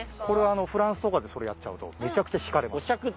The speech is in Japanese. これあのフランスとかでれやっちゃうとめちゃくちゃ引かれます。